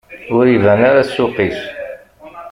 Ur iban ara ssuq-is.